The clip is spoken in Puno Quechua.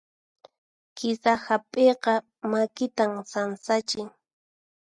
Kisa hap'iyqa makitan sansachin.